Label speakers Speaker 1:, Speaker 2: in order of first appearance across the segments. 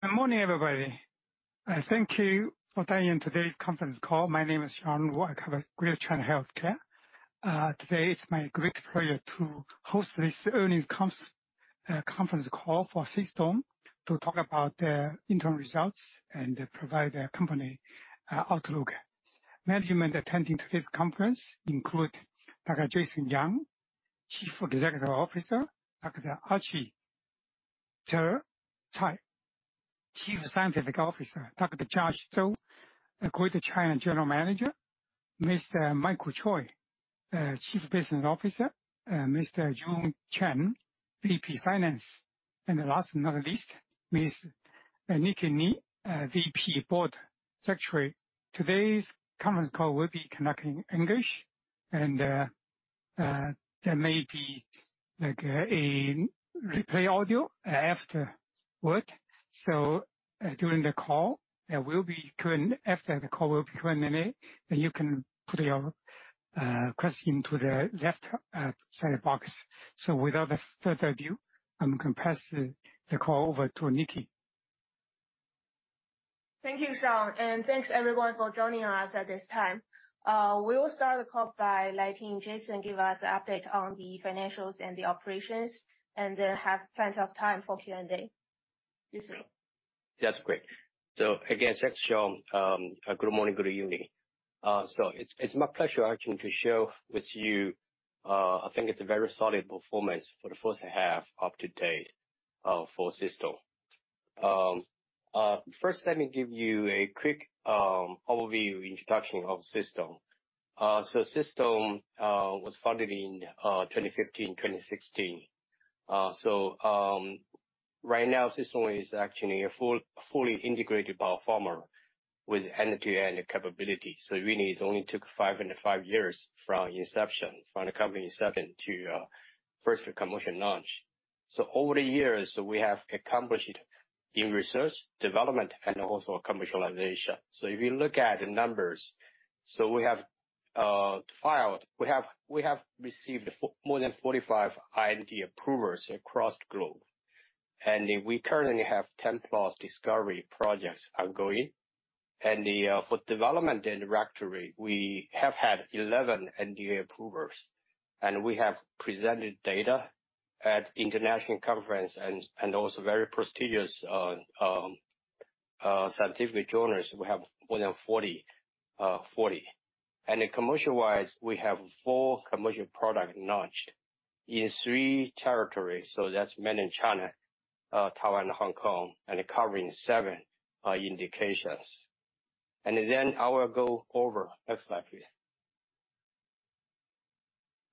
Speaker 1: Good morning, everybody. Thank you for dialing in today's conference call. My name is Sean Wu. I cover Greater China Healthcare. Today, it's my great pleasure to host this earnings conference call for CStone to talk about their interim results and provide their company outlook. Management attending today's conference include Dr. Jianxin Yang, Chief Executive Officer, Dr. Archie Tse, Chief Scientific Officer, Dr. Josh Zhou, the Greater China General Manager, Mr. Michael Choi, Chief Business Officer, Mr. Jun Cheng, VP Finance, and the last but not least, Ms. Nicky Ni, VP Board Secretary. Today's conference call will be conducted in English, there may be, like, a replay audio after work. During the call, there will be after the call, there will be Q&A, and you can put your question into the left side box. Without further ado, I'm gonna pass the call over to Nicky.
Speaker 2: Thank you, Sean, thanks, everyone, for joining us at this time. We will start the call by letting Jianxin give us an update on the financials and the operations, then have plenty of time for Q&A. Jianxin?
Speaker 3: That's great. Again, thanks, Sean. Good morning, good evening. It's, it's my pleasure, actually, to share with you, I think it's a very solid performance for the first half of today, for CStone. First, let me give you a quick overview, introduction of CStone. CStone was founded in 2015, 2016. Right now, CStone is actually a full, fully integrated biopharma with end-to-end capability. It really only took five and five years from inception, from the company inception to first commercial launch. Over the years, we have accomplished in research, development, and also commercialization. If you look at the numbers, we have received more than 45 IND approvals across the globe, and we currently have 10 plus discovery projects ongoing. For development and regulatory, we have had 11 NDA approvals, and we have presented data at international conference and also very prestigious scientific journals. We have more than 40, 40. Commercial-wise, we have four commercial product launched in three territories, so that's mainland China, Taiwan, Hong Kong, and covering seven indications. I will go over. Next slide, please.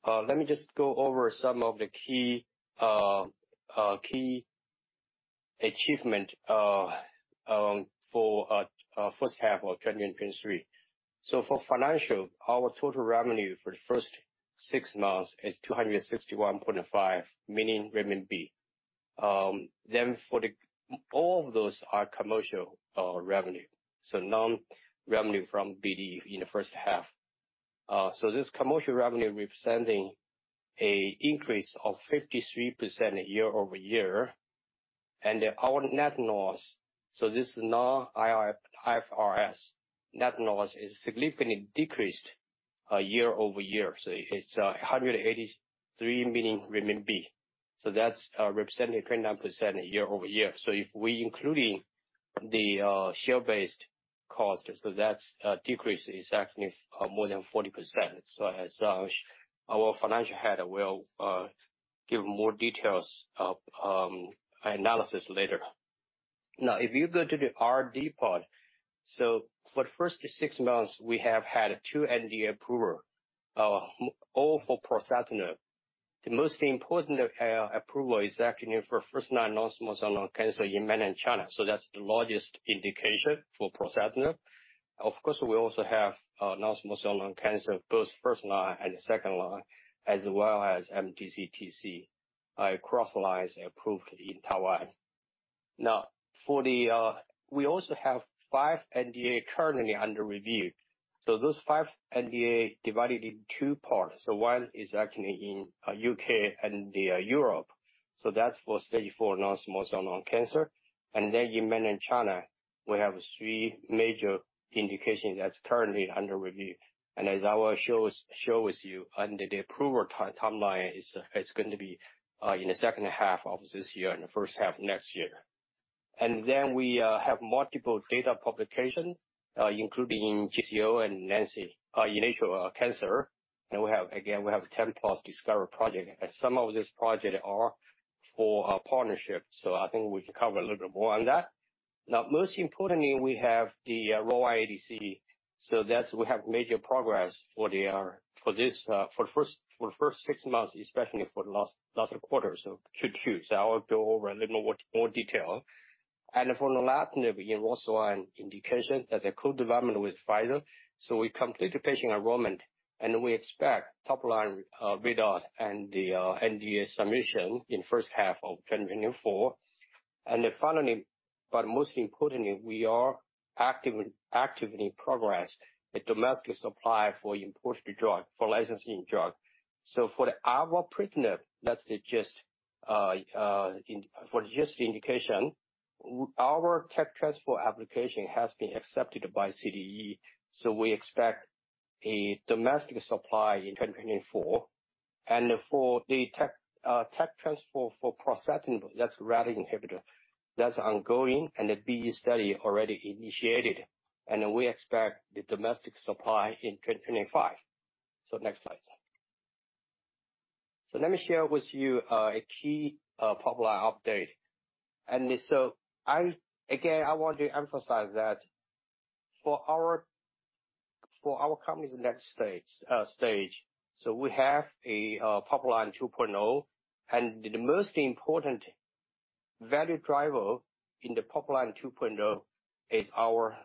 Speaker 3: Let me just go over some of the key achievement for first half of 2023. For financial, our total revenue for the first six months is 261.5 million renminbi. For the. All of those are commercial revenue, so no revenue from BD in the first half. This commercial revenue representing a increase of 53% year-over-year, and our net loss, this is now IR- IFRS. Net loss is significantly decreased, year-over-year, it's 183 million renminbi. That's representing 29% year-over-year. If we including the share-based cost, that's decrease is actually more than 40%. As our financial head will give more details of analysis later. If you go to the RD part, for the first six months, we have had two NDA approval, all for pralsetinib. The most important approval is actually for first-line non-small cell lung cancer in mainland China. That's the largest indication for pralsetinib. Of course, we also have non-small cell lung cancer, both first line and second line, as well as MTC, TC across lines approved in Taiwan. For the... We also have 5 NDA currently under review. Those 5 NDA divided in two parts. One is actually in UK and Europe, so that's for stage 4 non-small cell lung cancer. In mainland China, we have three major indications that's currently under review. As I will show with you, under the approval timeline, is going to be in the second half of this year and the first half of next year. We have multiple data publication, including ASCO and ESMO, initial cancer. We have, again, we have 10 plus discovery project, and some of these project are for a partnership. I think we can cover a little bit more on that. Now, most importantly, we have the ROR1 ADC. That's we have major progress for this for the first six months, especially for the last, last quarter, Q2. I will go over a little more, more detail. For the lorlatinib ROS1 indication, that's a co-development with Pfizer. We completed patient enrollment, and we expect top line readout and the NDA submission in first half of 2024. Then finally, but most importantly, we are actively progress the domestic supply for imported drug, for licensing drug.... For the our partner, that's the GIST indication, our tech transfer application has been accepted by CDE, we expect a domestic supply in 2024. For the tech transfer for pralsetinib, that's a RET inhibitor, that's ongoing, the BE study already initiated, we expect the domestic supply in 2025. Next slide. Let me share with you a key pipeline update. Again, I want to emphasize that for our, for our company's next stage, we have Pipeline 2.0. The most important value driver in the Pipeline 2.0 is our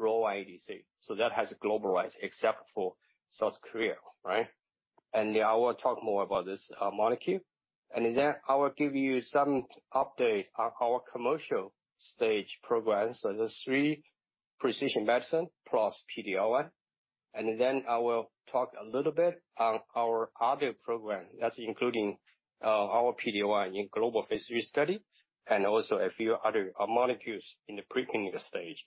Speaker 3: ROR1 ADC. That has global rights, except for South Korea. I will talk more about this molecule. I will give you some update on our commercial stage program. There's three precision medicine plus PD-L1. I will talk a little bit on our other program, that's including our PD-L1 in global phase III study, and also a few other molecules in the preclinical stage.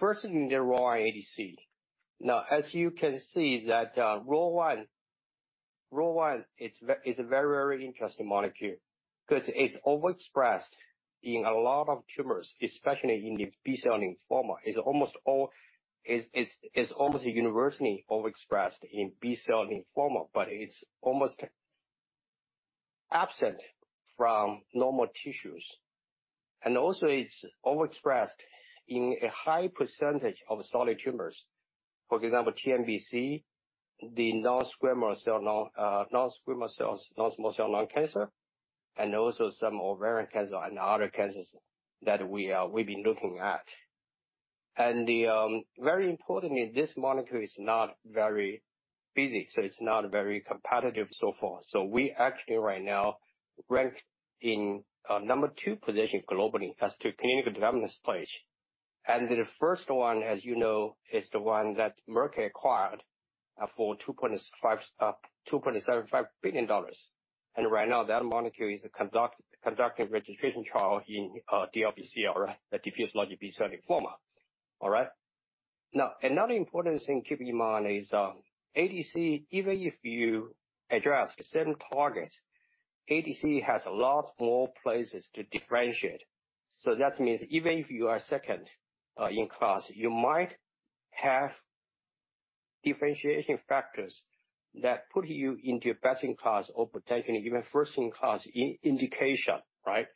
Speaker 3: First thing, the ROR1 ADC. As you can see, that ROR1, ROR1 is a very, very interesting molecule because it's overexpressed in a lot of tumors, especially in the B-cell lymphoma. It's almost all, it's almost universally overexpressed in B-cell lymphoma, but it's almost absent from normal tissues. It's overexpressed in a high percentage of solid tumors, for example, TNBC, the non-squamous cell lung, non-squamous cells, non-small cell lung cancer, and also some ovarian cancer and other cancers that we are, we've been looking at. Very importantly, this molecule is not very busy, so it's not very competitive so far. We actually right now rank in a number two position globally as to clinical development stage. The first one, as you know, is the one that Merck acquired for 2.5, $2.75 billion. That molecule is conducting registration trial in DLBCL, right? The diffuse large B-cell lymphoma. Another important thing to keep in mind is ADC, even if you address certain targets, ADC has a lot more places to differentiate. That means even if you are second in class, you might have differentiation factors that put you into your best-in-class or potentially even first-in-class-in indication, right?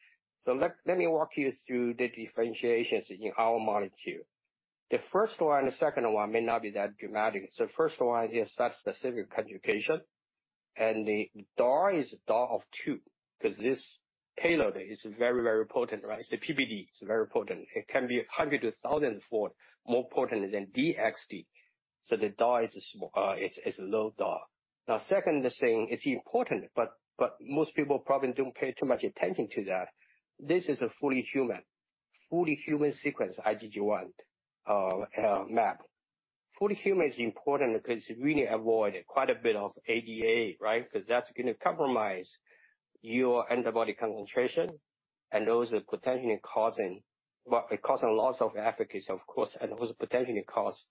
Speaker 3: Let me walk you through the differentiations in our molecule. The first one and the second one may not be that dramatic. First one is that specific conjugation, and the DAR is DAR of 2, because this payload is very, very potent, right? PBD is very potent. It can be a 100 to 1,000-fold more potent than DXd. The DAR is small, is a low DAR. Now, second thing, it's important, but most people probably don't pay too much attention to that. This is a fully human, fully human sequence IgG1 mAb. Fully human is important because it really avoid quite a bit of ADA, right? Because that's gonna compromise your antibody concentration, and those are potentially causing, well, it cause a loss of efficacy, of course, and also potentially cause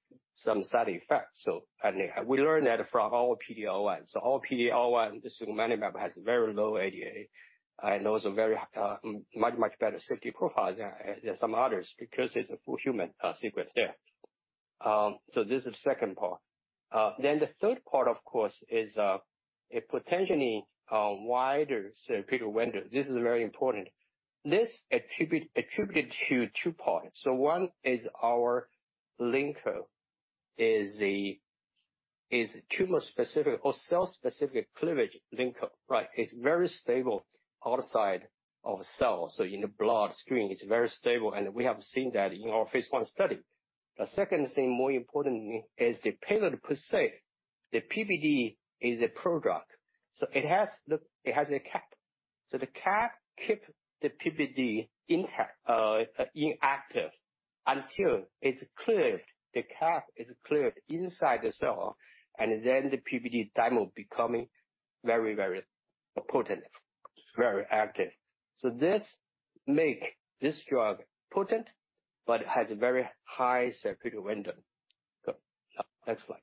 Speaker 3: some side effects. We learned that from our PD-L1. Our PD-L1, the sugemalimab, has very low ADA, and those are very, much, much better safety profile than, than some others, because it's a full human, sequence there. This is the second part. The third part, of course, is a potentially, wider therapeutic window. This is very important. This attribute attributed to two parts. One is our linker, is tumor-specific or cell-specific cleavage linker, right? It's very stable outside of the cell, so in the bloodstream, it's very stable, and we have seen that in our phase I study. The second thing, more importantly, is the payload per se. The PBD is a prodrug, it has a cap. The cap keep the PBD intact, inactive until it's cleared, the cap is cleared inside the cell, and then the PBD dimer becoming very, very potent, very active. This make this drug potent but has a very high therapeutic window. Next slide.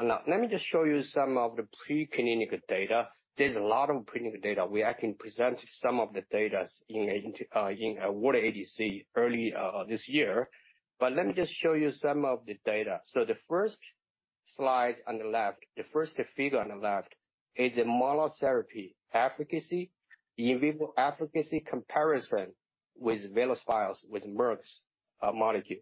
Speaker 3: Now, let me just show you some of the preclinical data. There's a lot of preclinical data. We actually presented some of the data in agent, in our ADC early this year. Let me just show you some of the data. The first slide on the left, the first figure on the left, is a monotherapy efficacy, in vivo efficacy comparison with VelosBio's, with Merck's molecule.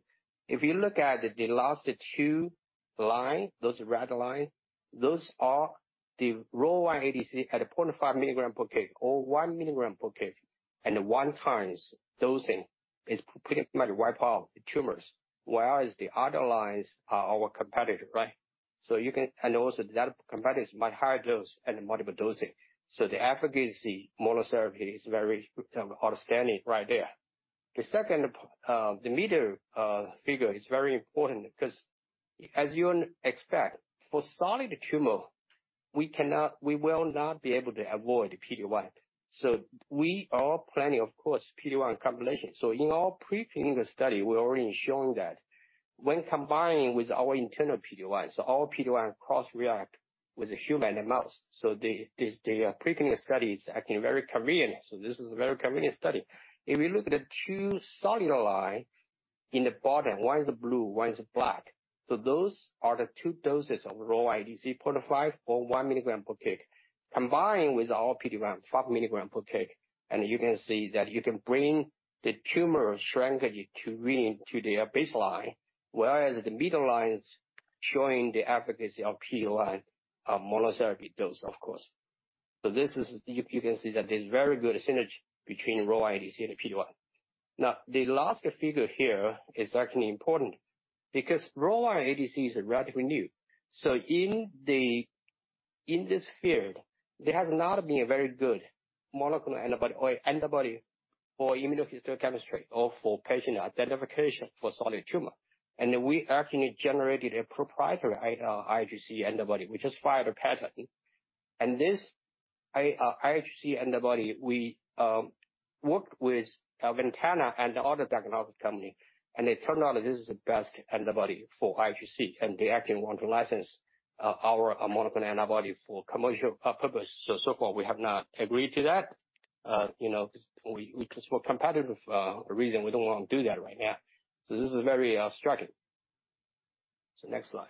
Speaker 3: If you look at the last two line, those red line, those are the ROR1 ADC at a 0.5 milligram per kg or 1 milligram per kg, and 1 times dosing is pretty much wipe out the tumors, whereas the other lines are our competitor. you can and also the other competitors much higher dose and multiple dosing. The efficacy monotherapy is very outstanding right there. The second, the middle figure is very important because as you expect, for solid tumor, we cannot, we will not be able to avoid PD-1. We are planning, of course, PD-1 combination. In our pre-clinical study, we're already showing that when combining with our internal PD-1, so our PD-1 cross-react with the human and mouse. The pre-clinical study is actually very convenient. This is a very convenient study. If you look at the 2 solid line in the bottom, 1 is blue, 1 is black. Those are the 2 doses of ROR1 ADC 0.5 or 1 milligram per kg. Combined with our PD-1, 5 milligram per kg, and you can see that you can bring the tumor shrinkage to really to the baseline, whereas the middle line is showing the efficacy of PD-1, monotherapy dose, of course. This is, you, you can see that there's very good synergy between ROR1 ADC and the PD-1. Now, the last figure here is actually important because ROR1 ADCs are relatively new. In this field, there has not been a very good monoclonal antibody or antibody for immunohistochemistry or for patient identification for solid tumor. And we actually generated a proprietary IHC antibody. We just filed a patent. This IHC antibody, we worked with Ventana and other diagnostic company, and it turned out that this is the best antibody for IHC, and they actually want to license our monoclonal antibody for commercial purpose. So far, we have not agreed to that, you know, because we, for competitive reason, we don't want to do that right now. This is very striking. Next slide.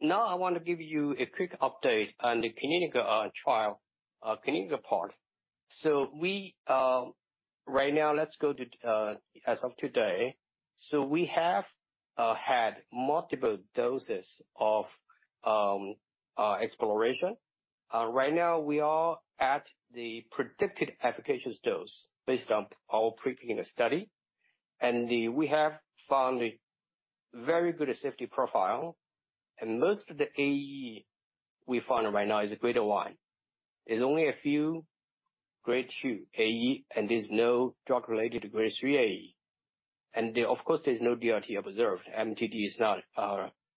Speaker 3: Now I want to give you a quick update on the clinical trial, clinical part. We, right now, let's go to as of today. We have had multiple doses of exploration. Right now, we are at the predicted efficacious dose based on our pre-clinical study. We have found a very good safety profile, most of the AE we found right now is grade 1. There's only a few grade 2 AE, and there's no drug-related grade 3 AE. Of course, there's no DLT observed. MTD is not,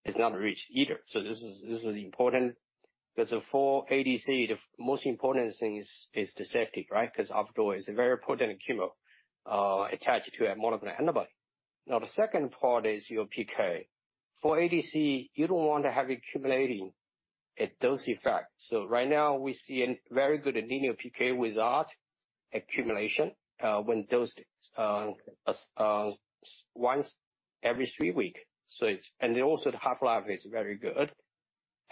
Speaker 3: is not reached either. This is, this is important, because for ADC, the most important thing is, is the safety, right? Because after all, it's a very potent chemo attached to a monoclonal antibody. The second part is your PK. For ADC, you don't want to have accumulating a dose effect. Right now, we see a very good linear PK without accumulation when dosed once every 3 week. And also, the half-life is very good.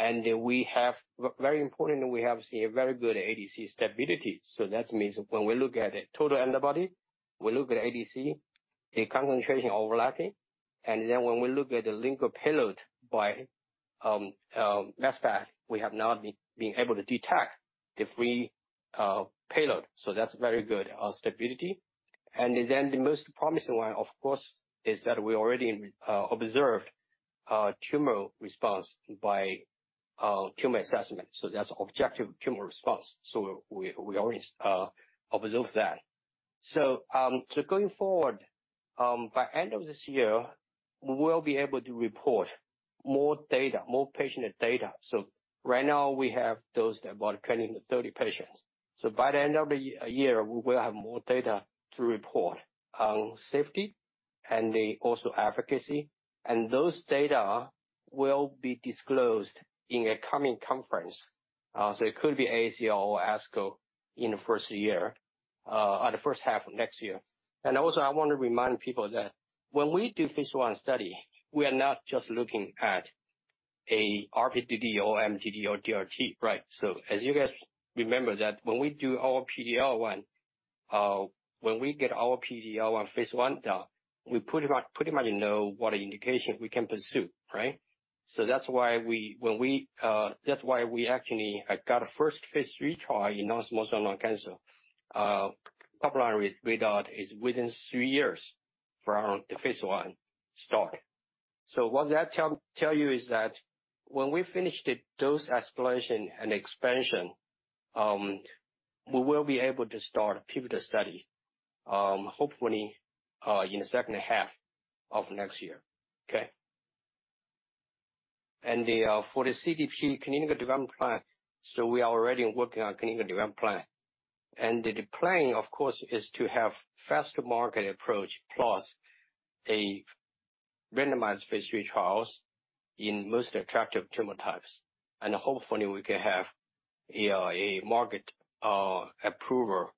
Speaker 3: We have, very importantly, we have seen a very good ADC stability. That means when we look at the total antibody, we look at ADC, the concentration overlapping, and then when we look at the linker payload by mass spec, we have not been able to detect the free payload. That's very good stability. The most promising one, of course, is that we already observed tumor response by tumor assessment. That's objective tumor response. We always observe that. Going forward, by end of this year, we will be able to report more data, more patient data. Right now, we have those, about 20 to 30 patients. By the end of the year, we will have more data to report on safety and the also efficacy, and those data will be disclosed in a coming conference. It could be AACR or ASCO in the first year or the first half of next year. Also, I want to remind people that when we do phase I study, we are not just looking at a RP2D or MTD or DLT, right? As you guys remember that when we do our PD-L1, when we get our PD-L1 phase I done, we pretty much, pretty much know what indication we can pursue, right? That's why when we, that's why we actually got a first phase III trial in non-small cell lung cancer, couple of years within 3 years from the phase I start. What that tell, tell you is that when we finish the dose exploration and expansion, we will be able to start a pivotal study, hopefully, in the second half of next year. Okay? The for the CDP, clinical development plan, we are already working on clinical development plan. The plan, of course, is to have faster market approach plus a randomized phase III trials in most attractive tumor types. Hopefully, we can have a market approval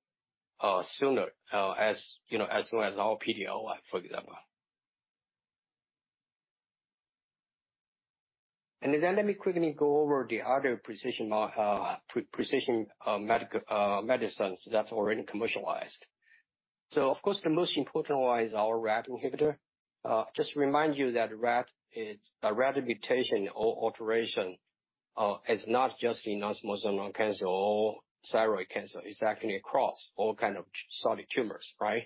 Speaker 3: sooner, as, you know, as well as our PD-L1, for example. Then let me quickly go over the other precision medicines that's already commercialized. Of course, the most important one is our RET inhibitor. Just to remind you that RET is a RET mutation or alteration-... It's not just in non-small cell lung cancer or thyroid cancer, it's actually across all kind of solid tumors, right?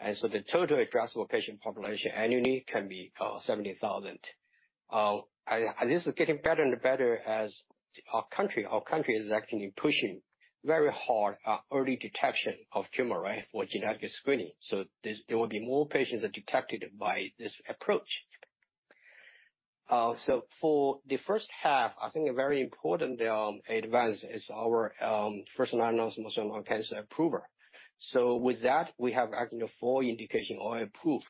Speaker 3: The total addressable patient population annually can be 70,000. This is getting better and better as our country, our country is actually pushing very hard, early detection of tumor, right, for genetic screening. There, there will be more patients are detected by this approach. For the first half, I think a very important advance is our first line non-small cell lung cancer approval. With that, we have actually 4 indications all approved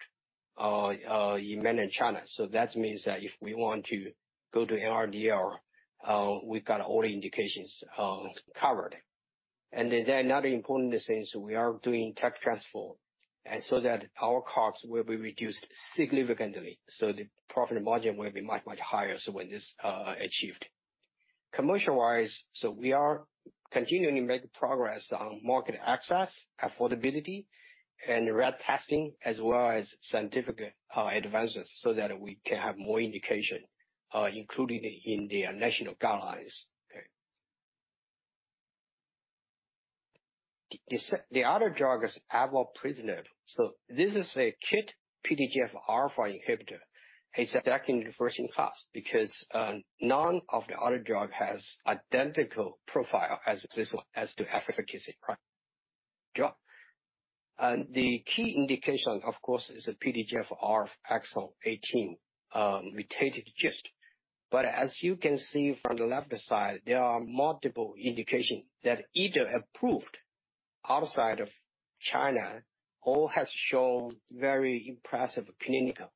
Speaker 3: in mainland China. That means that if we want to go to NRDL, we've got all the indications covered. Another important thing is we are doing tech transfer, so that our costs will be reduced significantly, so the profit margin will be much, much higher so when this achieved. Commercial-wise, we are continuing to make progress on market access, affordability, and RET testing, as well as scientific advances, so that we can have more indication, including in the national guidelines. The other drug is avapritinib. This is a KIT PDGFRalpha inhibitor. It's actually the first in class, because none of the other drug has identical profile as this one as to efficacy, right? The key indication, of course, is the PDGFRA exon 18-mutated GIST. As you can see from the left side, there are multiple indications that either approved outside of China or has shown very impressive clinical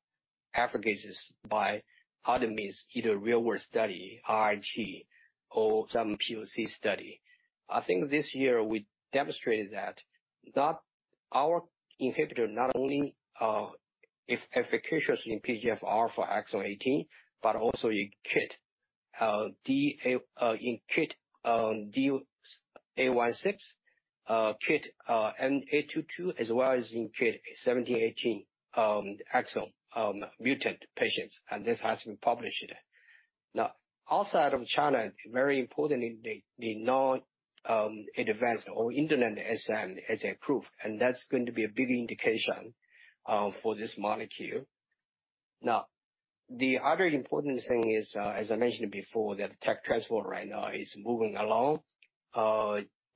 Speaker 3: efficacy by other means, either real-world study, RG, or some POC study. I think this year we demonstrated that our inhibitor not only is efficacious in PDGFRA exon 18, but also in KIT D816, KIT N822, as well as in KIT 17/18 exon mutant patients, and this has been published. Outside of China, very importantly, the non-advanced or intermediate SM as approved, and that's going to be a big indication for this molecule. Now, the other important thing is, as I mentioned before, that tech transfer right now is moving along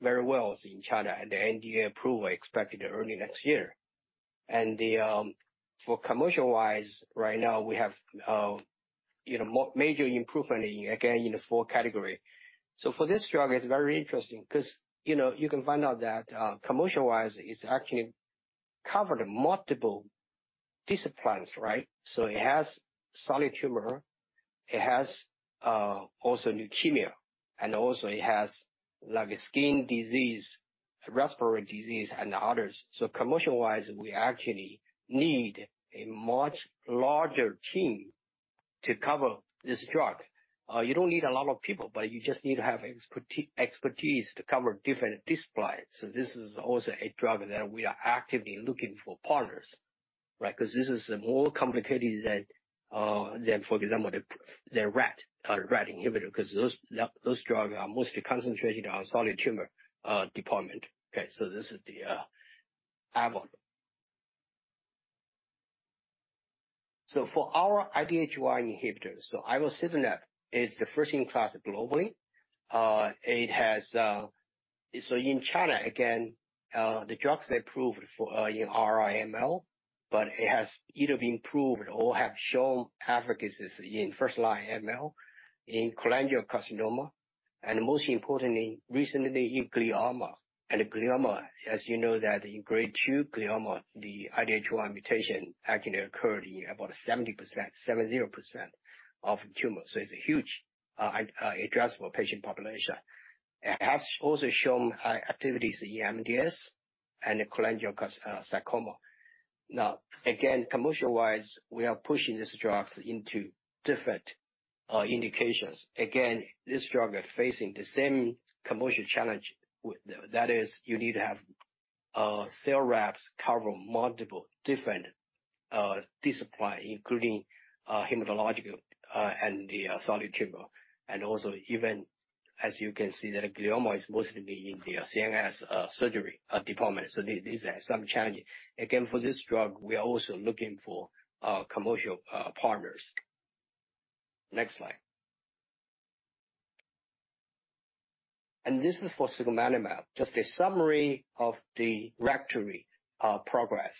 Speaker 3: very well in China, and the NDA approval expected early next year. For commercial-wise, right now, we have, you know, major improvement, again, in the four category. For this drug, it's very interesting, 'cause, you know, you can find out that commercial-wise, it's actually covered multiple disciplines, right? It has solid tumor, it has, also leukemia, and also it has, like, skin disease, respiratory disease, and others. Commercial-wise, we actually need a much larger team to cover this drug. You don't need a lot of people, but you just need to have expertise to cover different disciplines. This is also a drug that we are actively looking for partners, right? Because this is more complicated than, than, for example, the, the RET inhibitor, because those, those drugs are mostly concentrated on solid tumor department. This is the avapritinib. For our IDH1 inhibitors, so ivosidenib is the first in class globally. It has... In China, again, the drugs they approved for, in R/R AML, but it has either been proved or have shown efficacy in first-line ML, in cholangiocarcinoma, and most importantly, recently in glioma. Glioma, as you know, that in grade 2 glioma, the IDH1 mutation actually occurred in about 70% of tumors. It's a huge addressable patient population. It has also shown activities in MDS and cholangiocarcinoma. Now, again, commercial-wise, we are pushing these drugs into different indications. Again, this drug is facing the same commercial challenge with, that is, you need to have cell reps cover multiple different disciplines, including hematological and the solid tumor, and also even as you can see that glioma is mostly in the CNS surgery department, so these are some challenges. Again, for this drug, we are also looking for commercial partners. Next slide. This is for sugemalimab, just a summary of the regulatory progress.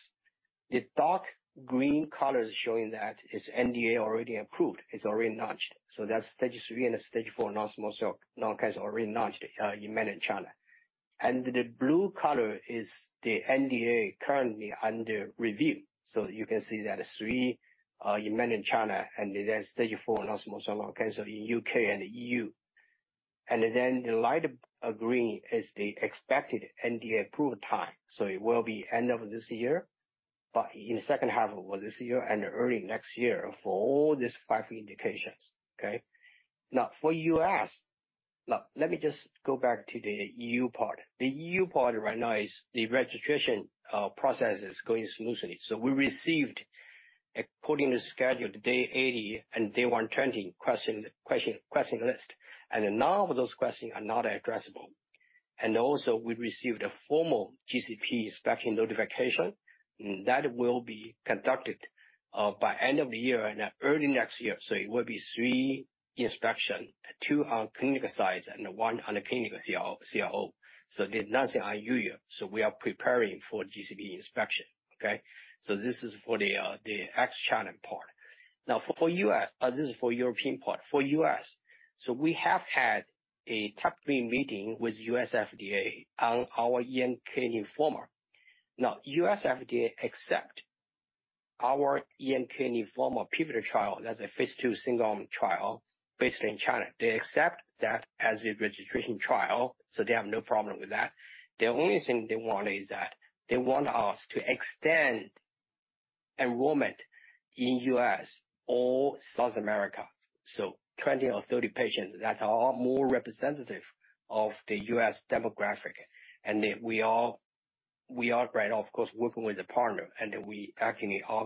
Speaker 3: The dark green color is showing that its NDA already approved, it's already launched. That's stage three and stage four non-small cell lung cancer already launched in mainland China. The blue color is the NDA currently under review. You can see that three in mainland China, and then stage four non-small cell lung cancer in UK and EU. The light green is the expected NDA approval time. It will be end of this year, but in the second half of this year and early next year for all these five indications. Okay? For U.S.-... Let me just go back to the EU part. The EU part right now is the registration process is going smoothly. We received, according to schedule, the day 80 and day 120 question, question, question list, and none of those questions are not addressable. Also, we received a formal GCP inspection notification, and that will be conducted by end of the year and early next year. It will be three inspection, two on clinical sites and one on the clinical CRO. Did not say our EU. We are preparing for GCP inspection. Okay? This is for the ex-China part. For U.S. this is for European part. For U.S., we have had a top three meeting with U.S. FDA on our ENK lymphoma. U.S. FDA accept our ENK lymphoma pivotal trial as a phase II single trial based in China. They accept that as a registration trial, they have no problem with that. The only thing they want is that they want us to extend enrollment in U.S. or South America. 20 or 30 patients that are more representative of the U.S. demographic. We are right now, of course, working with a partner, and we are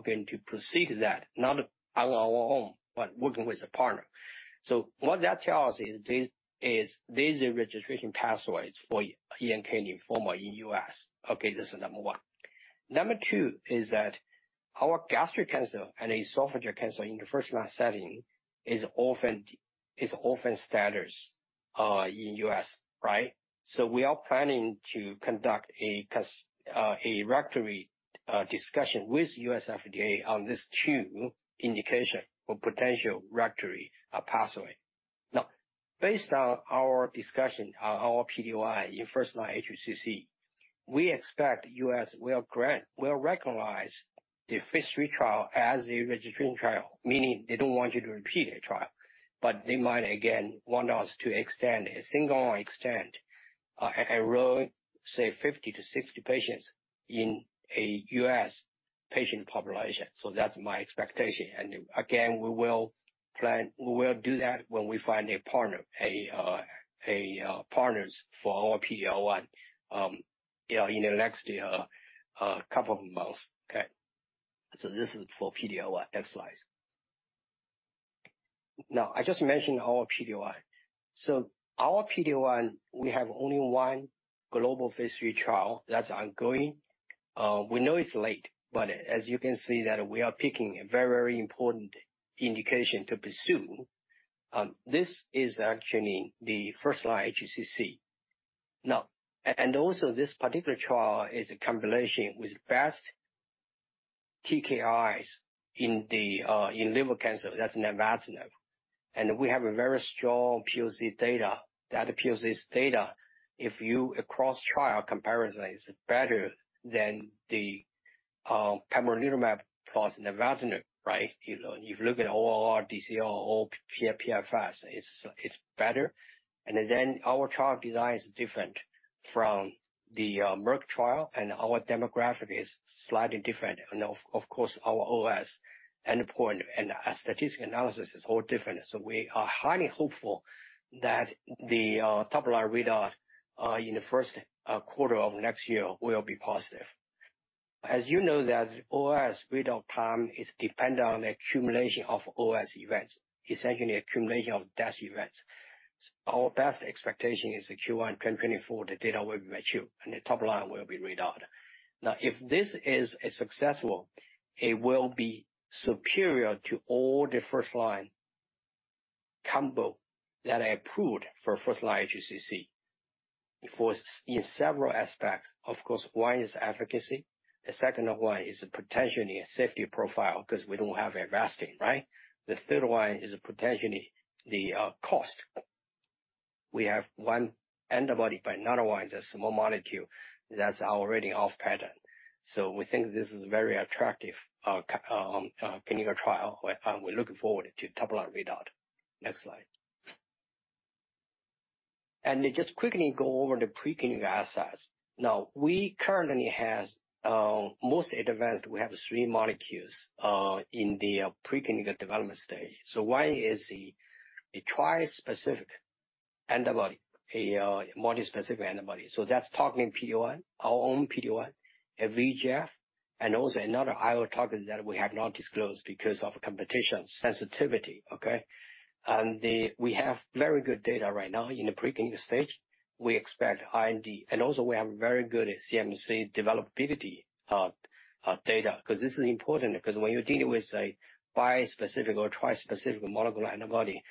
Speaker 3: going to proceed that, not on our own, but working with a partner. What that tells is this, there is a registration pathways for ENK lymphoma in U.S. This is number one. Number two is that our gastric cancer and esophageal cancer in the first-line setting is often standard in U.S., right? We are planning to conduct a regulatory discussion with U.S. FDA on these two indications for potential regulatory pathway. Based on our discussion, on our PD-1 in first-line HCC, we expect U.S. will grant, will recognize the phase III trial as a registration trial, meaning they don't want you to repeat a trial, they might again want us to extend a single-arm, enroll, say, 50 to 60 patients in a U.S. patient population. That's my expectation. Again, we will do that when we find a partner for our PD-1, you know, in the next couple of months. Okay? This is for PD-1. Next slide. I just mentioned our PD-1. Our PD-1, we have only one global phase III trial that's ongoing. We know it's late, as you can see that we are picking a very, very important indication to pursue. This is actually the first-line HCC. And also this particular trial is a combination with best TKIs in the liver cancer, that's lenvatinib. We have a very strong POC data. That POC data, if you across trial comparison, is better than the pembrolizumab plus lenvatinib, right? You know, if you look at ORR, DCR or PFS, it's, it's better. Our trial design is different from the Merck trial, and our demographic is slightly different. Of course, our OS endpoint and statistical analysis is all different. We are highly hopeful that the top line read out in the first quarter of next year will be positive. As you know, that OS read out time is dependent on the accumulation of OS events, essentially accumulation of death events. Our best expectation is the Q1-2024, the data will be mature, and the top line will be read out. If this is successful, it will be superior to all the first-line combo that are approved for first-line HCC. In several aspects, of course, one is efficacy, the second one is potentially a safety profile 'cause we don't have Avastin, right? The third one is potentially the cost. We have one antibody, but another one is a small molecule that's already off pattern. We think this is a very attractive clinical trial, and we're looking forward to top-line readout. Next slide. Just quickly go over the preclinical assets. We currently have most advanced, we have 3 molecules in the preclinical development stage. One is the, a tri-specific antibody, a multi-specific antibody. That's targeting PD-1, our own PD-1, VEGF, and also another IO target that we have not disclosed because of competition sensitivity, okay? We have very good data right now in the preclinical stage. We expect IND, and also we have very good CMC developability data, 'cause this is important, 'cause when you're dealing with a bispecific or tri-specific molecule antibody,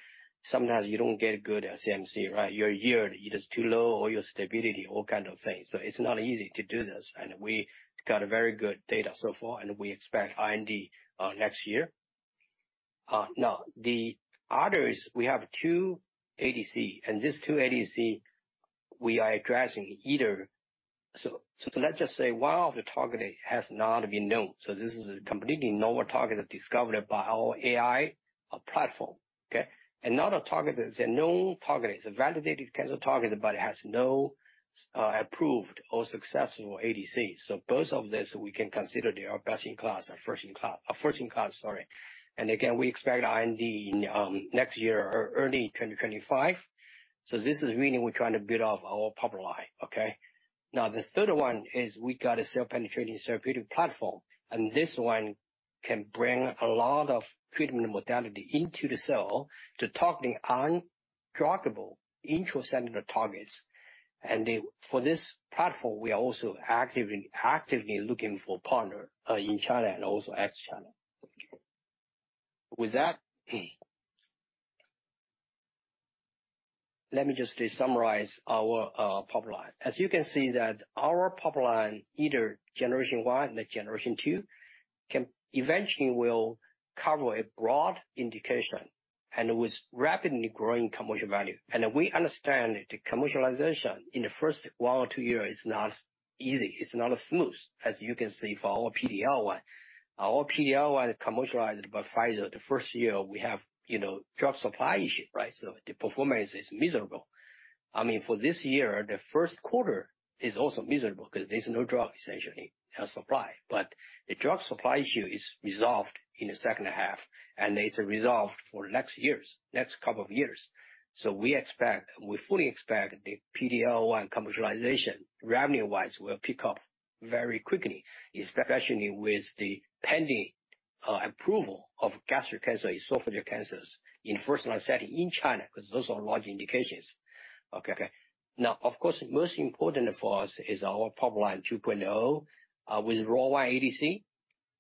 Speaker 3: sometimes you don't get good CMC, right? Your yield is too low, or your stability, all kind of things. It's not easy to do this, and we got a very good data so far, and we expect IND next year. Now, the others, we have two ADC, and these two ADC, we are addressing either... Let's just say one of the targeting has not been known, so this is a completely novel target discovered by our AI platform, okay? Another target is a known target. It's a validated kind of target, but it has no approved or successful ADCs. Both of these, we can consider they are best-in-class and first-in-class, first-in-class, sorry. Again, we expect IND next year or early 2025. This is really we're trying to build up our pipeline, okay? Now, the third one is we got a cell-penetrating therapeutic platform, and this one can bring a lot of treatment modality into the cell to target the undruggable intracellular targets. For this platform, we are also actively, actively looking for partner in China and also ex-China. With that, let me just summarize our pipeline. As you can see that our pipeline, either generation one or generation two, eventually will cover a broad indication and with rapidly growing commercial value. We understand that the commercialization in the first one or two years is not easy, it's not smooth, as you can see for our PD-L1. Our PD-L1 commercialized by Pfizer, the first year we have, you know, drug supply issue, right? The performance is miserable. I mean, for this year, the first quarter is also miserable because there's no drug essentially supply. The drug supply issue is resolved in the second half, and it's resolved for next years, next couple of years. We expect, we fully expect the PD-L1 commercialization, revenue-wise, will pick up very quickly, especially with the pending approval of gastric cancer, esophageal cancers in first-line setting in China, because those are large indications. Okay. Now, of course, most important for us is our Pipeline 2.0. With ROR1 ADC,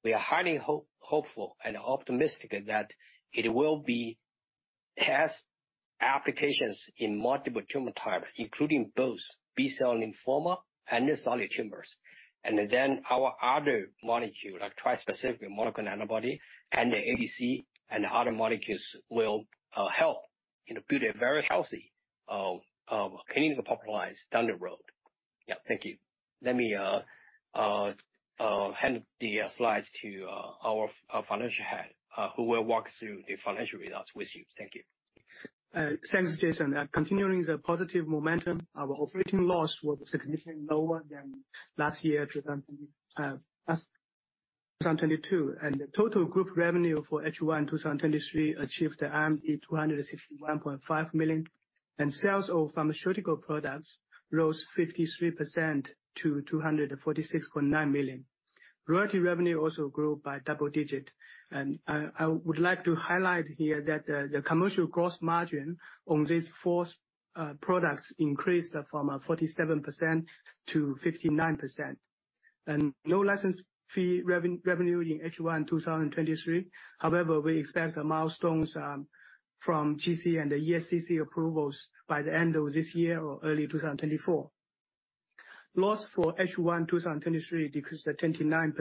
Speaker 3: we are highly hopeful and optimistic that it will be test applications in multiple tumor types, including both B-cell lymphoma and the solid tumors. Then, our other molecule, like tri-specific monoclonal antibody, and the ADC, and other molecules will help, you know, build a very healthy clinical pipeline down the road. Yeah. Thank you. Let me hand the slides to our financial head, who will walk through the financial results with you. Thank you.
Speaker 4: Thanks, Jianxin. Continuing the positive momentum, our operating loss was significantly lower than last year, 2022, and the total group revenue for H1 2023 achieved 261.5 million, and sales of pharmaceutical products rose 53% to 246.9 million. Royalty revenue also grew by double-digit. I would like to highlight here that the commercial gross margin on these fourth products increased from 47% to 59%. No license fee revenue in H1 2023. However, we expect the milestones from GC and the ESCC approvals by the end of this year or early 2024. Loss for H1 2023 decreased by 29%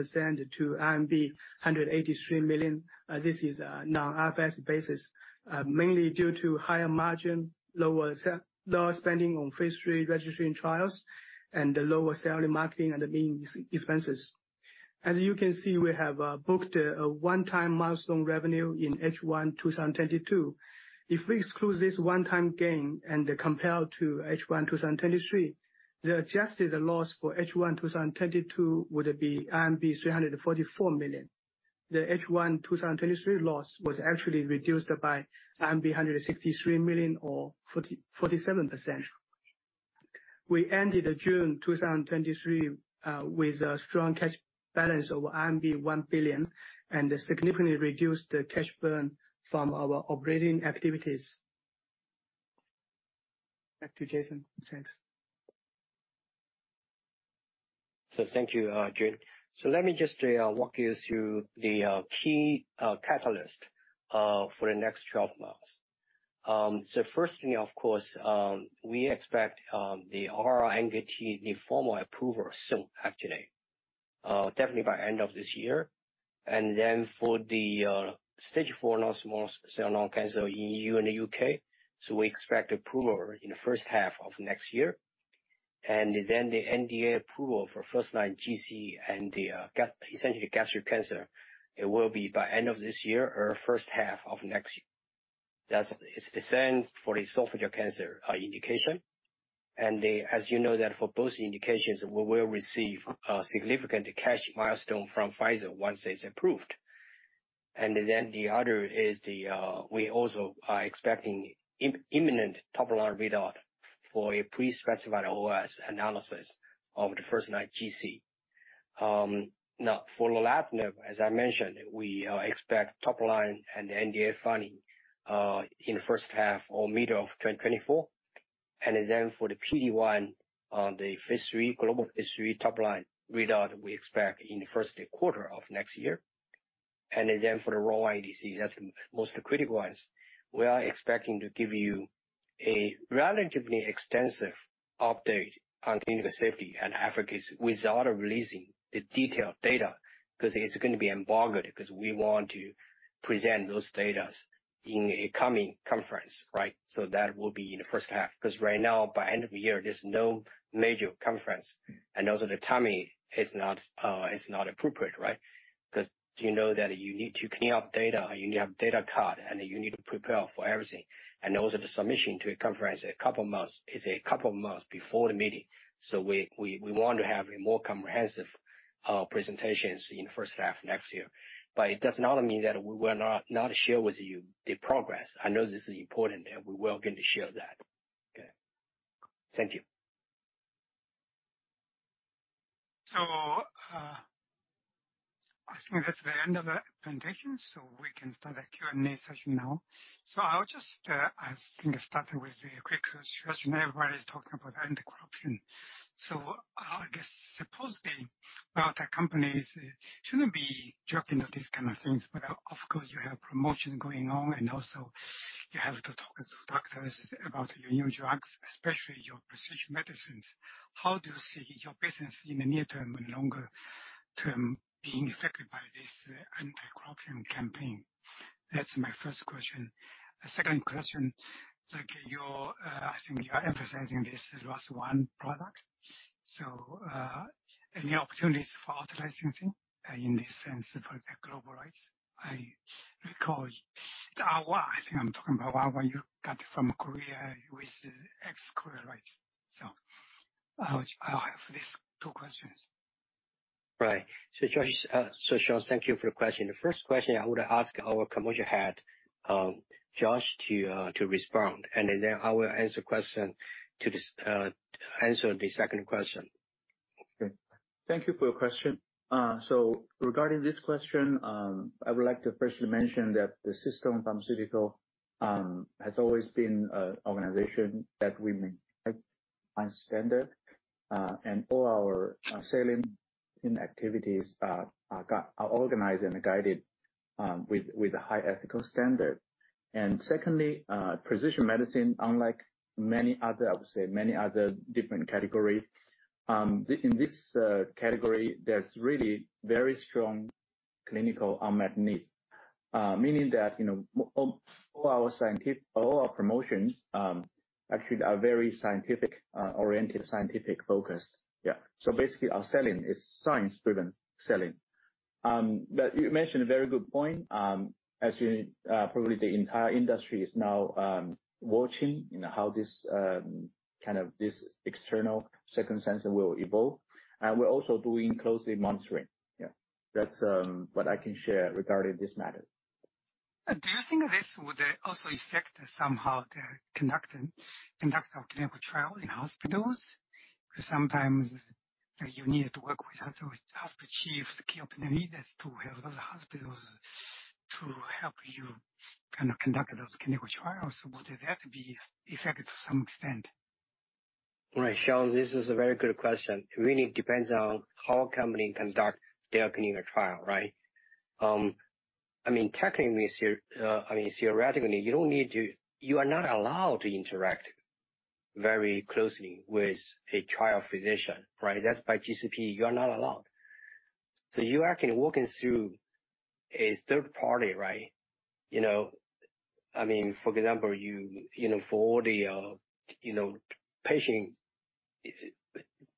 Speaker 4: to RMB 183 million. This is a non-IFRS basis, mainly due to higher margin, lower spending on phase III registering trials and the lower selling, marketing, and adminis- expenses. As you can see, we have booked a one-time milestone revenue in H1 2022. If we exclude this one-time gain and compare to H1 2023, the adjusted loss for H1 2022 would be 344 million. The H1 2023 loss was actually reduced by 163 million or 47%. We ended June 2023, with a strong cash balance of RMB 1 billion, and this significantly reduced the cash burn from our operating activities. Back to Jianxin. Thanks.
Speaker 3: Thank you, Jun. Let me just walk you through the key catalyst for the next 12 months. First thing, of course, we expect the R/R ENKTL formal approval soon, actually, definitely by end of this year. Then for the stage four non-small cell lung cancer in EU and the UK, we expect approval in the 1st half of next year. Then the NDA approval for 1st-line GC and essentially gastric cancer, it will be by end of this year or 1st half of next year. That's- it's the same for the esophageal cancer indication. As you know that for both indications, we will receive a significant cash milestone from Pfizer once it's approved. The other is the, we also are expecting imminent top-line readout for a pre-specified OS analysis of the first-line GC. Now, for lorlatinib, as I mentioned, we expect top line and NDA filing in the first half or middle of 2024. For the PD-1, the phase III, global phase III top line readout, we expect in the first quarter of next year. For the ROR1 ADC, that's the most critical ones, we are expecting to give you a relatively extensive update on clinical safety and efficacy without releasing the detailed data, because it's going to be embargoed, because we want to present those datas in a coming conference, right? That will be in the first half, because right now, by end of the year, there's no major conference, and also the timing is not appropriate, right? Because you know that you need to clean up data, you need to have data card, and you need to prepare for everything. Also, the submission to a conference is a couple of months before the meeting, so we want to have a more comprehensive presentations in the first half of next year. It does not mean that we will not, not share with you the progress. I know this is important, we will get to share that. Okay. Thank you.
Speaker 1: I think that's the end of the presentation, we can start the Q&A session now. I'll just, I think, starting with a quick question. Everybody is talking about anti-corruption. I guess supposedly biotech companies shouldn't be jumping on these kind of things, but of course, you have promotions going on, and also you have to talk with doctors about your new drugs, especially your precision medicines. How do you see your business in the near term and longer term being affected by this anti-corruption campaign? That's my first question. The second question, like, your, I think you are emphasizing this ROR1 product, any opportunities for out-licensing in this sense, for the global rights? I recall, I think I'm talking about one you got from Korea with ex-Korea rights. I, I have these two questions.
Speaker 3: Right. Josh, Sean, thank you for the question. The first question, I would ask our commercial head, Josh, to respond, and then I will answer question to this, answer the second question.
Speaker 5: Thank you for your question. Regarding this question, I would like to firstly mention that CStone Pharmaceuticals has always been an organization that we make high standard, and all our selling and activities are organized and guided with a high ethical standard. Secondly, precision medicine, unlike many other, I would say, many other different categories, in this category, there's really very strong clinical unmet needs. Meaning that, you know, all, all our scientific-- all our promotions, actually are very scientific oriented, scientific focused. Yeah. Basically, our selling is science-driven selling. You mentioned a very good point. As you, probably the entire industry is now watching, you know, how this kind of, this external circumstances will evolve, and we're also doing closely monitoring. Yeah. That's what I can share regarding this matter.
Speaker 1: Do you think this would also affect somehow the conduct of clinical trials in hospitals? Sometimes you need to work with other hospital chiefs, key opinion leaders, to have those hospitals to help you kind of conduct those clinical trials. Would that be affected to some extent?
Speaker 3: Right, Sean, this is a very good question. It really depends on how a company conduct their clinical trial, right? I mean, technically, I mean, theoretically, you don't need to you are not allowed to interact very closely with a trial physician, right? That's by GCP. You are not allowed. You are actually working through a third party, right? You know, I mean, for example, you, you know, for the, you know, patient,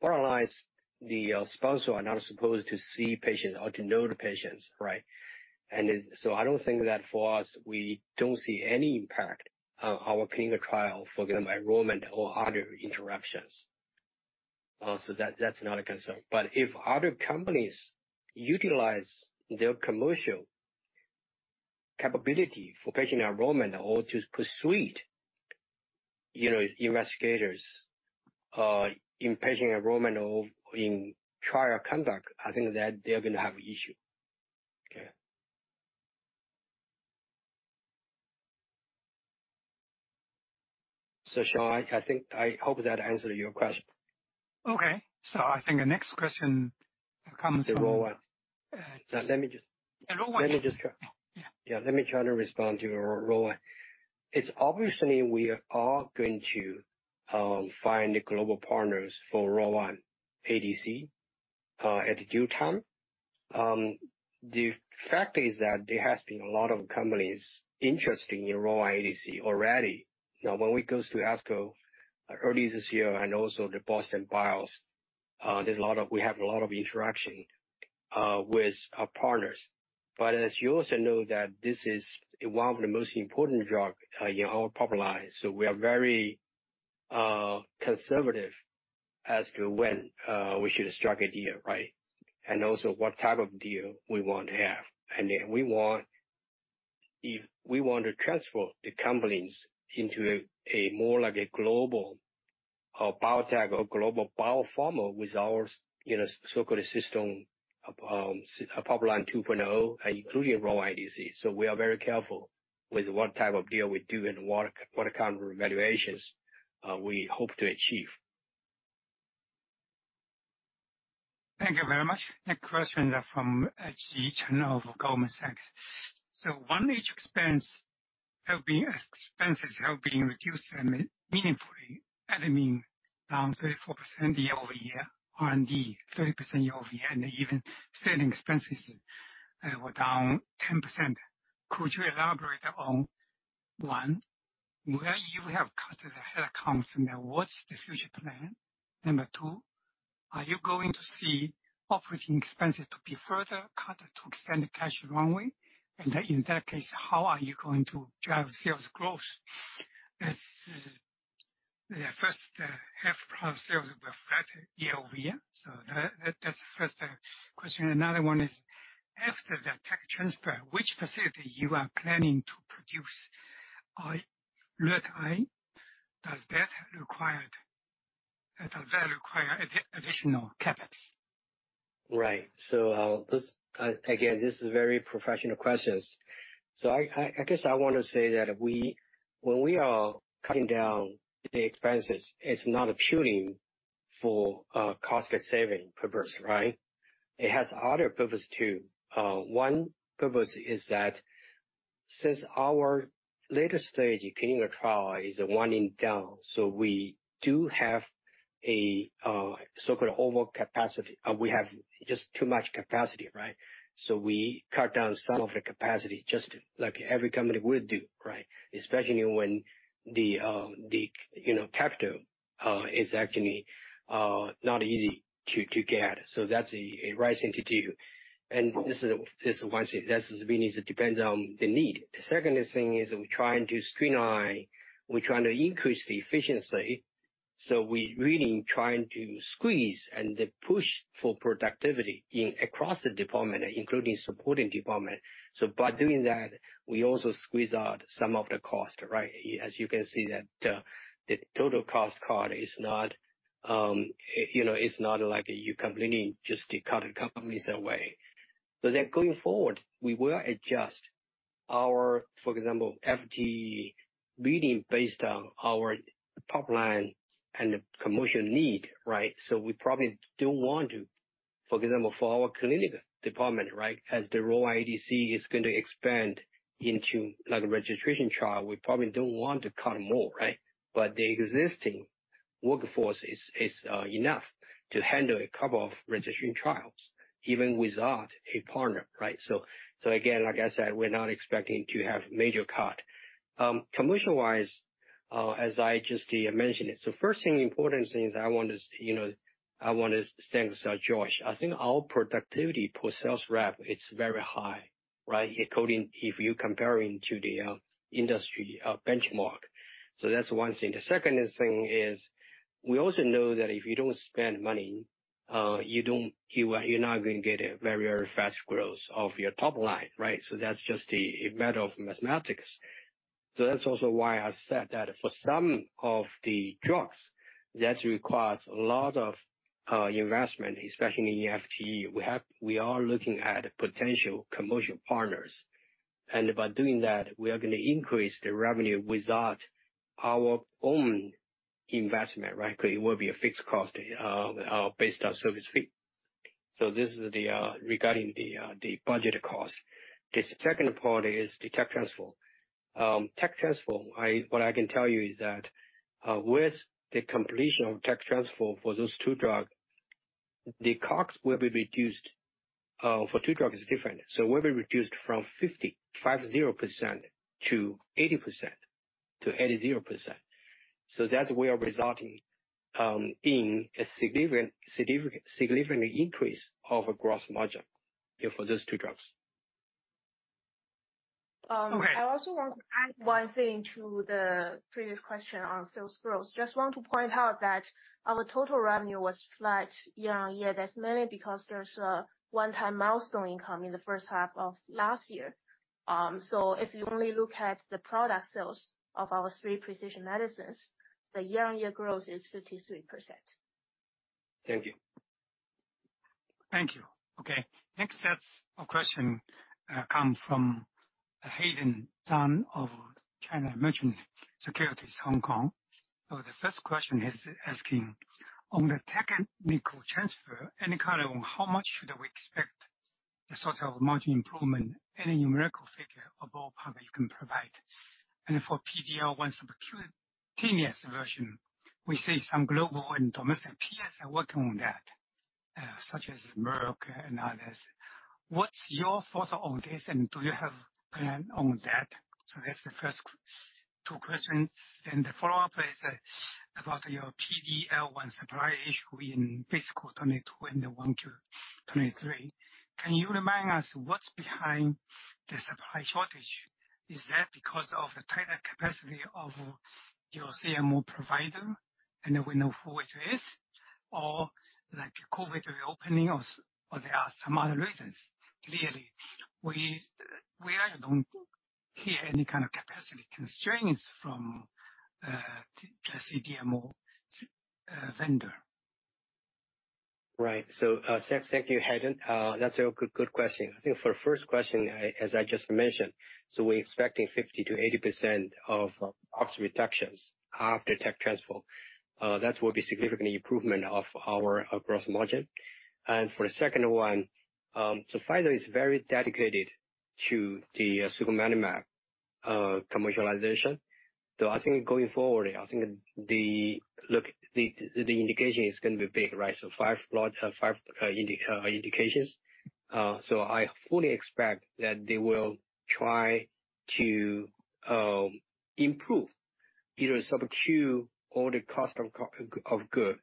Speaker 3: bottom line is, the sponsor are not supposed to see patients or to know the patients, right? I don't think that for us, we don't see any impact on our clinical trial, for example, enrollment or other interactions. That's not a concern. If other companies utilize their commercial capability for patient enrollment or to persuade, you know, investigators, in patient enrollment or in trial conduct, I think that they're going to have an issue. Okay. Sean, I hope that answered your question.
Speaker 1: Okay, I think the next question comes from.
Speaker 3: The ROR1. Let me just-
Speaker 1: ROA1.
Speaker 3: Let me try to respond to your ROR1. It's obviously we are going to find global partners for ROR1 ADC at due time. The fact is that there has been a lot of companies interested in ROR1 ADC already. When we goes to ASCO earlier this year and also the Boston BIOs, we have a lot of interaction with our partners. As you also know that this is one of the most important drug in our pipeline, so we are very conservative as to when we should strike a deal, right? Also what type of deal we want to have. Then we want... If we want to transform the companies into a more like a global or biotech or global bio pharma with our, you know, so-called CStone Pipeline 2.0, including ROR1 ADC. We are very careful with what type of deal we do and what, what kind of evaluations we hope to achieve.
Speaker 1: Thank you very much. Next question is from Yi Chen of Goldman Sachs. So 1, expenses have been reduced significantly, meaningfully, admin, down 34% year-over-year, R&D, 30% year-over-year, and even selling expenses are down 10%. Could you elaborate on, 1, where you have cut the headcounts, and what's the future plan? 2, are you going to see operating expenses to be further cut to extend the cash runway? In that case, how are you going to drive sales growth? As the first half of sales were flat year-over-year. That, that's the first question. Another one is, after the tech transfer, which facility you are planning to produce ROR1? Does that require additional CapEx?
Speaker 3: Right. This, again, this is very professional questions. I, I, I guess I want to say that we-- when we are cutting down the expenses, it's not purely for cost saving purpose, right? It has other purpose too. One purpose is that since our later stage clinical trial is winding down, so we do have a so-called overcapacity. We have just too much capacity, right? We cut down some of the capacity, just like every company would do, right? Especially when the, the, you know, capital, is actually, not easy to, to get. That's a right thing to do. This is, this is one thing, that's we need to depend on the need. The second thing is we're trying to streamline, we're trying to increase the efficiency, we're really trying to squeeze and then push for productivity in across the department, including supporting department. By doing that, we also squeeze out some of the cost, right? As you can see that, the total cost cut is not, you know, it's not like you completely just cut the companies away. Then going forward, we will adjust our, for example, FTE leading based on our top line and commercial need, right? We probably don't want to, for example, for our clinical department, right, as the ROR1 ADC is going to expand into like a registration trial, we probably don't want to cut more, right? The existing workforce is, is enough to handle a couple of registration trials, even without a partner, right? Again, like I said, we're not expecting to have major cut. Commercial-wise, as I just mentioned it, first thing, important thing is I want to, you know, I want to thank George. I think our productivity per sales rep is very high, right? If you're comparing to the industry benchmark. That's one thing. The second thing is, we also know that if you don't spend money, you don't, you are, you're not going to get a very, very fast growth of your top line, right? That's just a, a matter of mathematics. That's also why I said that for some of the drugs, that requires a lot of investment, especially in FTE. We are looking at potential commercial partners. By doing that, we are going to increase the revenue without our own investment, right? It will be a fixed cost based on service fee. This is regarding the budget cost. The second part is the tech transfer. Tech transfer, what I can tell you is that, with the completion of tech transfer for those two drugs, the costs will be reduced. For two drugs is different. Will be reduced from 50% to 80%. That way of resulting in a significant, significant, significant increase of a gross margin for those two drugs.
Speaker 2: I also want to add one thing to the previous question on sales growth. Just want to point out that our total revenue was flat year-on-year. That's mainly because there's a one-time milestone income in the first half of last year. If you only look at the product sales of our three precision medicines, the year-on-year growth is 53%.
Speaker 3: Thank you.
Speaker 1: Thank you. Next set of question come from Hayden Zhang of China Merchants Securities, Hong Kong. The first question he's asking: On the technical transfer, any color on how much should we expect the sort of margin improvement, any numerical figure or ballpark you can provide? For PD-L1 subcutaneous version, we see some global and domestic peers are working on that, such as Merck and others. What's your thoughts on this, and do you have plan on that? That's the first two questions. The follow-up is about your PD-L1 supply issue in fiscal 2022 and the 1Q 2023. Can you remind us what's behind the supply shortage? Is that because of the tighter capacity of your CMO provider, and then we know who it is, or like COVID reopening, or s- or there are some other reasons? Clearly, we, we really don't hear any kind of capacity constraints from, the CDMO, vendor.
Speaker 3: Right. Thank, thank you, Hayden. That's a good, good question. I think for the first question, I, as I just mentioned, we're expecting 50%-80% of costs reductions after tech transfer. That will be significant improvement of our gross margin. For the second one, Pfizer is very dedicated to the sugemalimab commercialization. I think going forward, I think the look, the, the indication is going to be big, right? 5 large, 5 indications. I fully expect that they will try to improve either subacute or the cost of good,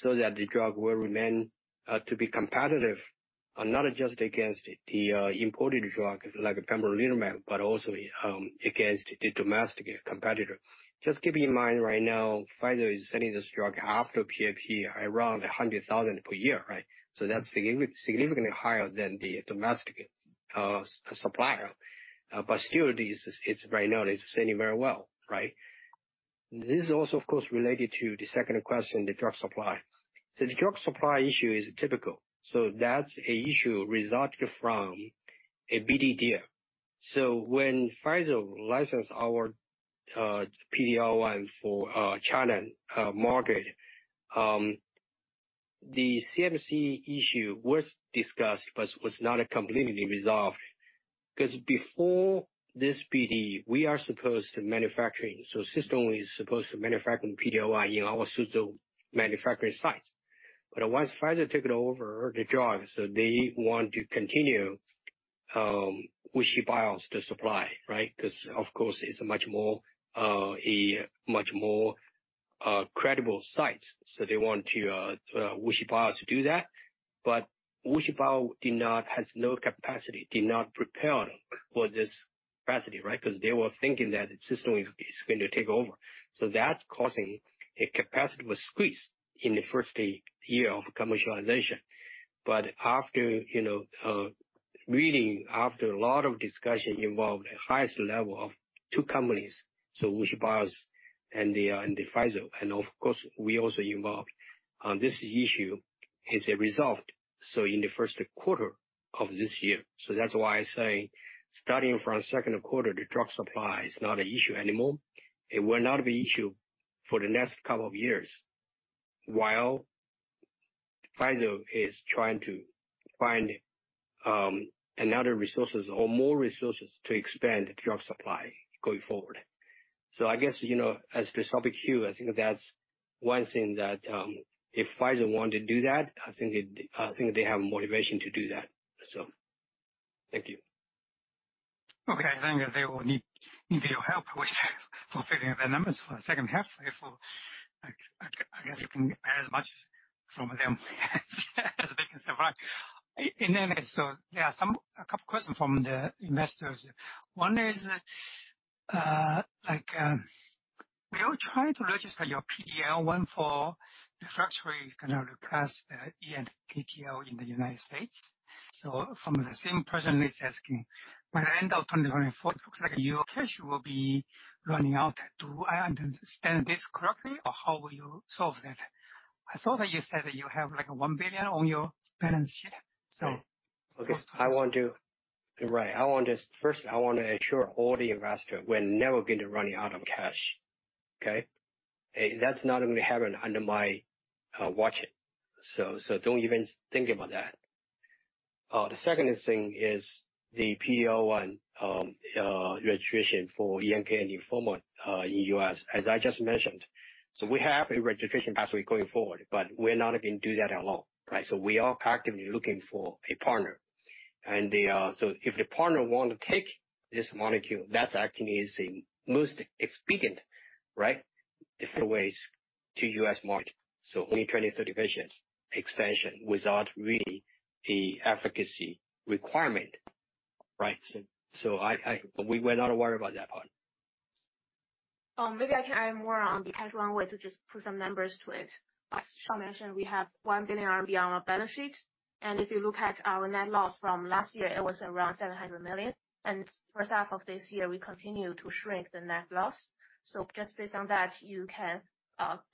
Speaker 3: so that the drug will remain to be competitive, and not just against the imported drug, like pembrolizumab, but also against the domestic competitor. Just keep in mind, right now, Pfizer is selling this drug after PAP, around 100,000 per year, right? That's significantly higher than the domestic supplier, but still it is, it's very known, it's selling very well, right? This is also, of course, related to the second question, the drug supply. The drug supply issue is typical. That's a issue resulting from a BD deal. When Pfizer licensed our PD-L1 for China market, the CMC issue was discussed but was not completely resolved. 'Cause before this BD, we are supposed to manufacturing, CStone is supposed to manufacture PD-L1 in our Suzhou manufacturing sites. Once Pfizer took over the drug, they want to continue WuXi Biologics to supply, right? Because, of course, it's a much more, a much more credible site. They want to WuXi Biologics to do that. WuXi Bio did not has no capacity, did not prepare them for this capacity, right? Because they were thinking that the CStone is going to take over. That's causing a capacity was squeezed in the first year of commercialization. After, you know, really after a lot of discussion involved the highest level of two companies, WuXi Biologics and the and the Pfizer, and of course, we also involved, on this issue, is resolved in the first quarter of this year. That's why I say, starting from second quarter, the drug supply is not an issue anymore. It will not be an issue for the next couple of years, while Pfizer is trying to find another resources or more resources to expand drug supply going forward. I guess, you know, as for sugemalimab, I think that's one thing that, if Pfizer want to do that, I think they have motivation to do that. Thank you.
Speaker 1: Okay, I think they will need, need your help with fulfilling the numbers for the second half. If I, I, I guess you can get as much from them as they can survive. In any way, there are some, a couple questions from the investors. One is, like, we all try to register your PD-L1 for refractory kind of request, the ENKTL in the United States. From the same person is asking, "By the end of 2024, looks like your cash will be running out. Do I understand this correctly, or how will you solve that?" I thought that you said that you have, like, $1 billion on your balance sheet, so-
Speaker 3: Okay. You're right. First, I want to assure all the investors, we're never going to run out of cash, okay? That's not going to happen under my watch, so, so don't even think about that. The second thing is the PD-L1 registration for ENK and lymphoma in US, as I just mentioned. We have a registration pathway going forward, but we're not going to do that alone, right? We are actively looking for a partner. If the partner want to take this molecule, that actually is the most expedient, right, different ways to US market. Only 20-30 patients expansion without really the efficacy requirement, right? We will not worry about that part.
Speaker 2: Maybe I can add more on the cash runway to just put some numbers to it. As Sean mentioned, we have 1 billion RMB on our balance sheet, and if you look at our net loss from last year, it was around 700 million. First half of this year, we continue to shrink the net loss. Just based on that, you can,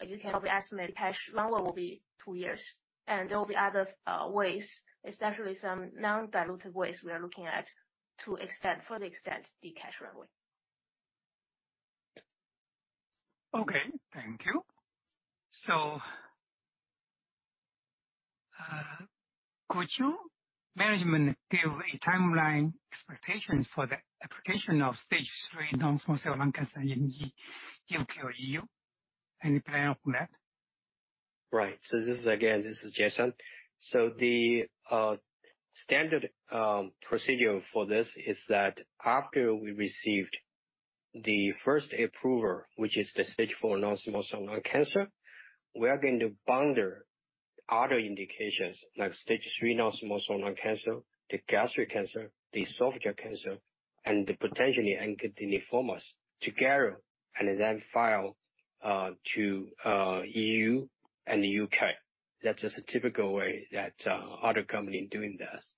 Speaker 2: you can probably estimate cash runway will be 2 years. There will be other ways, especially some non-dilutive ways we are looking at to extend, further extend the cash runway.
Speaker 1: Okay, thank you. Could you, management, give a timeline expectations for the application of stage 3 non-small cell lung cancer in UK or EU? Any plan on that?
Speaker 3: Right. This is, again, this is Jianxin. The standard procedure for this is that after we received the first approval, which is the stage four non-small cell lung cancer, we are going to bundle other indications like stage three non-small cell lung cancer, the gastric cancer, the esophageal cancer, and potentially ENKT lympomas together, and then file to EU and UK. That's just a typical way that other company doing this.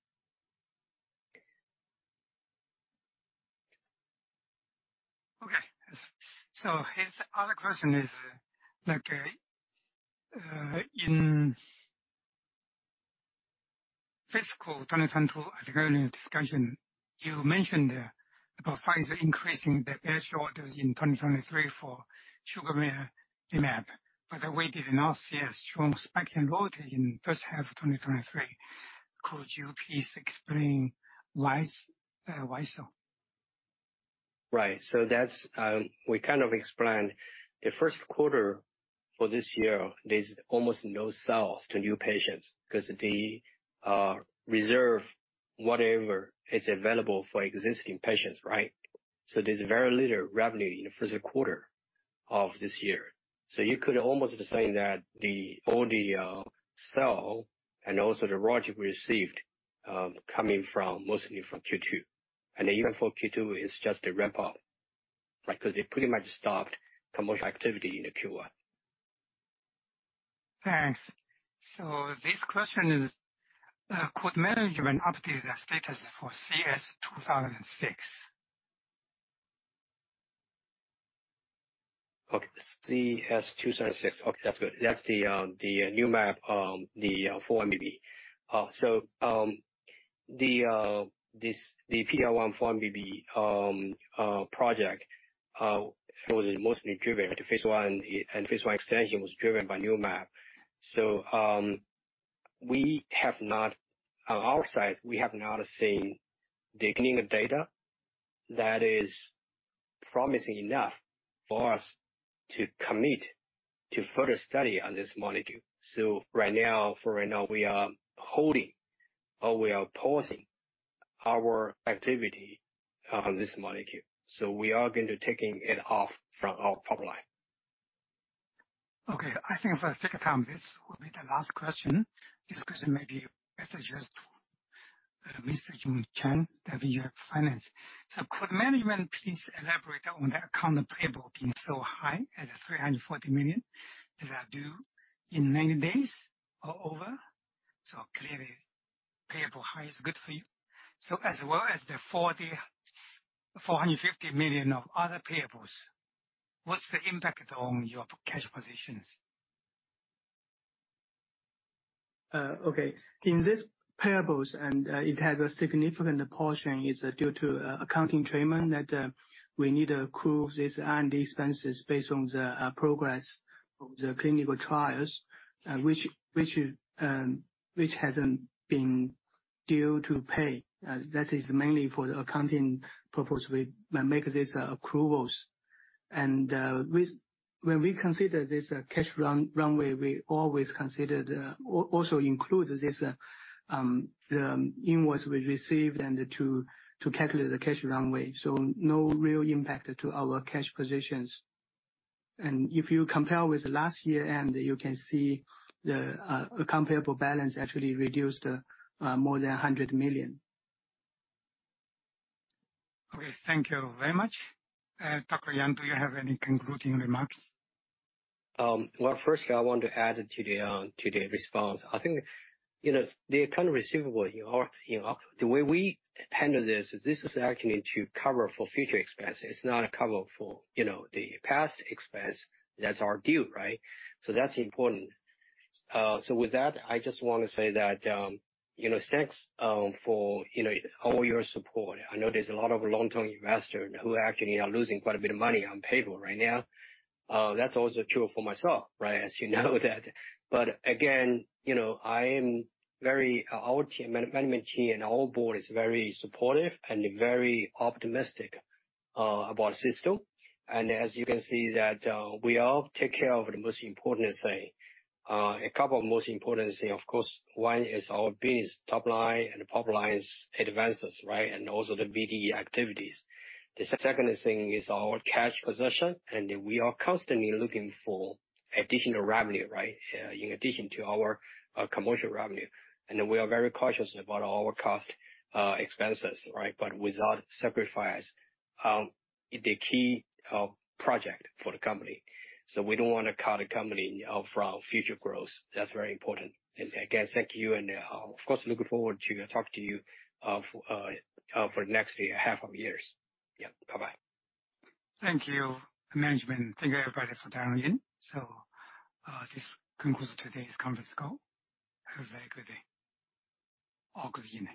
Speaker 1: Okay. His other question is, like, in fiscal 2020, at the earlier discussion, you mentioned about Pfizer increasing their batch orders in 2023 for sugemalimab, but we did not see a strong spike in RoW in first half of 2023. Could you please explain why, why so?
Speaker 3: Right. That's, we kind of explained. The first quarter for this year, there's almost no sales to new patients, 'cause the reserve, whatever is available for existing patients, right? There's very little revenue in the first quarter of this year. You could almost say that all the sell and also the royalty we received, coming from mostly from Q2. Even for Q2, it's just a ramp up, right? Because they pretty much stopped commercial activity in the Q1.
Speaker 1: Thanks. This question is, could management update the status for CS2006?
Speaker 3: Okay, CS2006. Okay, that's good. That's the Numab, the 4-1BB. This, the PD-L1, 4-1BB project, it was mostly driven to phase I, and phase I extension was driven by Numab. We have not, on our side, we have not seen the clinical data that is promising enough for us to commit to further study on this molecule. Right now, for right now, we are holding or we are pausing our activity on this molecule, we are going to taking it off from our pipeline.
Speaker 1: I think for the second time, this will be the last question. This question may be best addressed to Mr. Jun Cheng, the VP of Finance. Could management please elaborate on the account payable being so high at 340 million that are due in 90 days or over? Clearly, payable high is good for you. As well as the 450 million of other payables, what's the impact on your cash positions?
Speaker 4: Okay. In this payables, it has a significant portion, is due to accounting treatment, that we need to accrue this R&D expenses based on the progress of the clinical trials, which hasn't been due to pay. That is mainly for the accounting purpose. We make these approvals. When we consider this cash run, runway, we always consider the also include this, the invoice we received and to calculate the cash runway, so no real impact to our cash positions. If you compare with last year, you can see the comparable balance actually reduced more than 100 million.
Speaker 1: Okay, thank you very much. Dr. Yang, do you have any concluding remarks?
Speaker 3: Well, firstly, I want to add to the response. I think, you know, the account receivable, you know, you know, the way we handle this is, this is actually to cover for future expenses, it's not a cover for, you know, the past expense that's our due, right? That's important. With that, I just want to say that, you know, thanks, for, you know, all your support. I know there's a lot of long-term investors who actually are losing quite a bit of money on payable right now. That's also true for myself, right, as you know that. Again, you know, I am very. Our team, management team and our board is very supportive and very optimistic about CStone. As you can see that, we all take care of the most important thing. A couple of most important things, of course, one is our business top line and the top line advances, right, and also the BD activities. The second thing is our cash position. We are constantly looking for additional revenue, right, in addition to our commercial revenue. We are very cautious about our cost expenses, right. Without sacrifice, the key project for the company. We don't want to cut the company off from future growth. That's very important. Again, thank you, and, of course, looking forward to talk to you for the next half of years. Yeah. Bye-bye.
Speaker 1: Thank you, management. Thank you, everybody, for dialing in. This concludes today's conference call. Have a very good day.